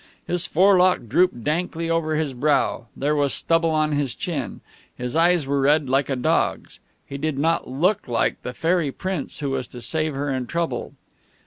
His forelock drooped dankly over his brow; there was stubble on his chin; his eyes were red, like a dog's. He did not look like the Fairy Prince who was to save her in her trouble.